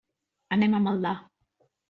Anem a Maldà.